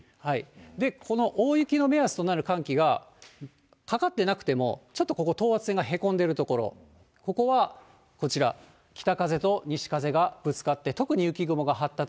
この大雪の目安となる寒気が、かかってなくても、ちょっとここ、等圧線がへこんでる所、ここはこちら、北風と西風がぶつかって、どか雪だ。